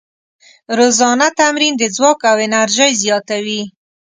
روزانه تمرین د ځواک او انرژۍ زیاتوي.